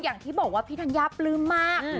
อย่างที่บอกว่าพี่ธัญญาปลื้มมาก